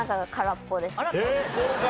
そうか。